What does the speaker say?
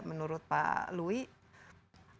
menurut pak louie